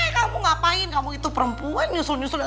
eh kamu ngapain kamu itu perempuan nyusul nyusul